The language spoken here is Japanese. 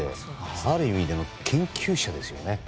ある意味、研究者ですよね。